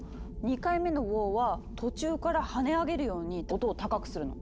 ２回目の「ウォー！」は途中から跳ね上げるように音を高くするの。